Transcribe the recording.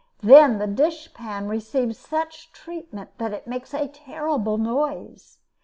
Then the dishpan receives such treatment that it makes a terrible noise.